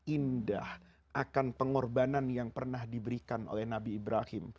indah akan pengorbanan yang pernah diberikan oleh nabi ibrahim